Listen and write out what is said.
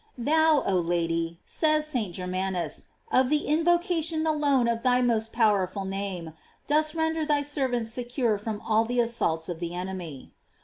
* Thou, oh Lady, says St. Germanus, by the invocation alone of thy most powerful name, dost render thy ser vants secure from all the assaults of the enemy.